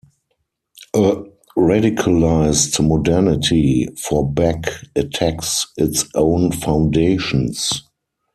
A radicalized modernity, for Beck, attacks its own foundations.